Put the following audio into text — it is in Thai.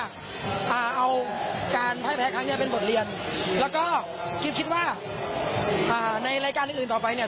อ่าเอาการพ่ายแพ้ครั้งเนี้ยเป็นบทเรียนแล้วก็กิ๊บคิดว่าในรายการอื่นอื่นต่อไปเนี่ย